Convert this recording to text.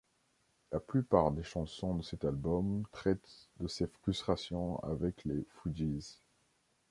La plupart des chansons de cet album traitent de ses frustrations avec les Fugees.